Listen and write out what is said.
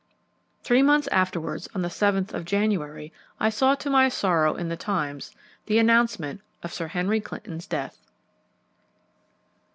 Three months afterwards, on the 7th of January, I saw to my sorrow in the Times the announcement of Sir Henry Clinton's death.